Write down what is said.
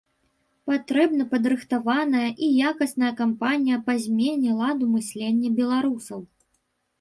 Патрэбна падрыхтаваная і якасная кампанія па змене ладу мыслення беларусаў.